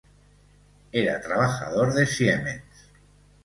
Era trabajador de Siemens.